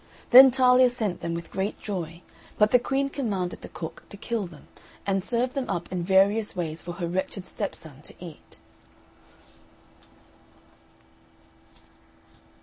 Then Talia sent them with great joy, but the Queen commanded the cook to kill them, and serve them up in various ways for her wretched stepson to eat.